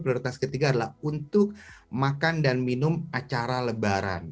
prioritas ketiga adalah untuk makan dan minum acara lebaran